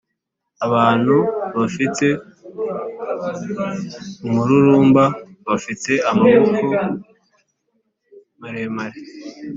abantu bafite umururumba bafite amaboko maremare